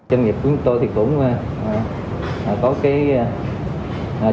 doanh nghiệp của chúng tôi thì cũng có cái